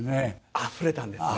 あふれたんですね。